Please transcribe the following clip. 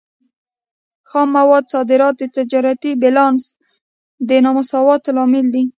خام موادو صادرات د تجارتي بیلانس د نامساواتوب لامل دی.